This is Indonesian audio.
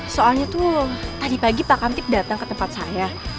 soalnya tuh tadi pagi pak kamtip datang ke tempat saya